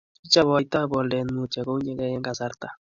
Ichabaitoi boldet mutyo kounyekei eng kasarta